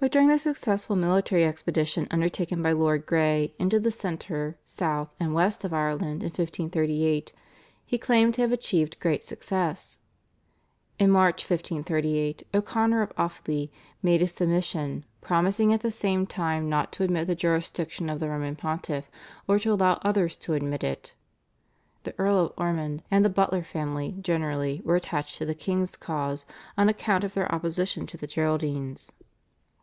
But during the successful military expedition undertaken by Lord Grey into the centre, south, and west of Ireland in 1538, he claimed to have achieved great success. In March 1538 O'Connor of Offaly made his submission, promising at the same time not to admit the jurisdiction of the Roman Pontiff or to allow others to admit it. The Earl of Ormond and the Butler family generally were attached to the king's cause on account of their opposition to the Geraldines.